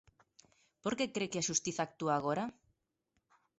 Por que cre que a xustiza actúa agora?